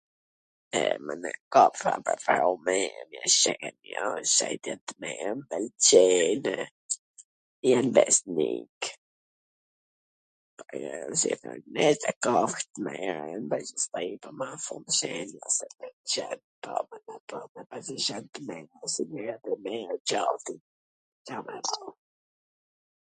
... qeenw jan besnik ... Ca me than...